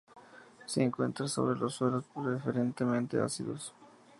Se encuentra sobre suelos preferentemente ácidos.